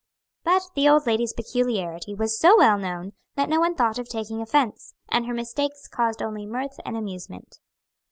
But the old lady's peculiarity was so well known that no one thought of taking offence; and her mistakes caused only mirth and amusement.